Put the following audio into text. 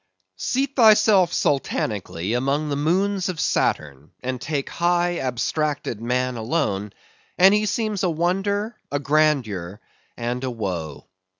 Seat thyself sultanically among the moons of Saturn, and take high abstracted man alone; and he seems a wonder, a grandeur, and a woe.